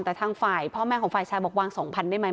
แต่ทางฝ่ายพ่อแม่ของฝ่ายชายบอกวาง๒๐๐ได้ไหม